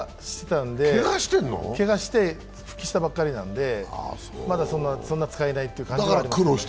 けがして復帰したばっかりなのでまだそんな使えないっていう感じですね。